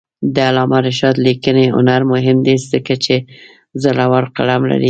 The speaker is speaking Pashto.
د علامه رشاد لیکنی هنر مهم دی ځکه چې زړور قلم لري.